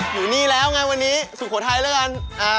อยู่นี่แล้วไงวันนี้สุโขทัยแล้วกัน